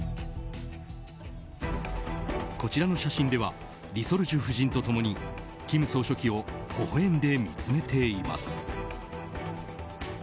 こちらの写真ではリ・ソルジュ夫人と共に金総書記をほほ笑んで見つめています。